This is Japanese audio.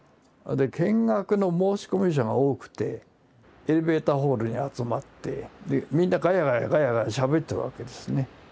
見学の申し込み者が多くてエレベーターホールに集まってみんながやがやがやがやしゃべってるわけですね。